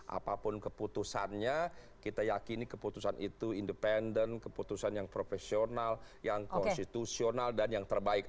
apapun keputusannya kita yakini keputusan itu independen keputusan yang profesional yang konstitusional dan yang terbaik